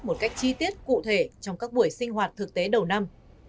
một cách chi tiết cụ thể trong các buổi sinh hoạt thực tế đầu năm